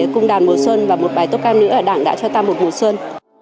cung đàn mùa xuân và một bài tốt ca nữa ở đảng đã cho ta một mùa xuân